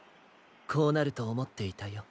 こうなるとおもっていたよ。